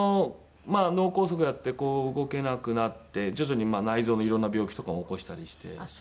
まあ脳梗塞やってこう動けなくなって徐々に内臓のいろんな病気とかを起こしたりして。